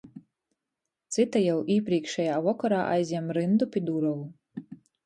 Cyta jau īprīkšejā vokorā aizjam ryndu pi durovu.